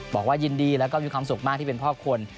บอกว่ายินดีแล้วก็มีความสุขมากที่เป็นพ่อคน